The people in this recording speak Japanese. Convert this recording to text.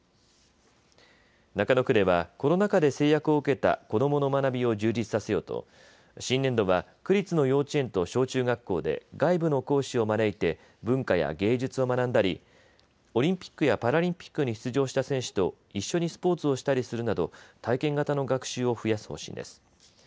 中野区ではコロナ禍で制約を受けた子どもの学びを充実させようと新年度は区立の幼稚園と小中学校で外部の講師を招いて文化や芸術を学んだり、オリンピックやパラリンピックに出場した選手と一緒にスポーツをしたりするなど体験型の学習を増やす方針です。